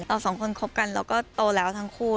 เราสองคนคบกันเราก็โตแล้วทั้งคู่